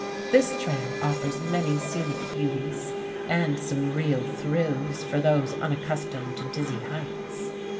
This trail offers many scenic beauties and some real thrills for those unaccustomed to dizzy heights.